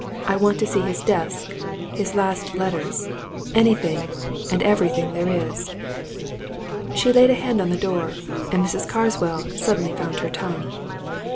I want to see his desk his last letters anything and everything there is." She laid a hand on the door and Mrs. Carswell suddenly found her tongue.